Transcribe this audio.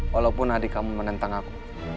walaupun adik kamu menentang aku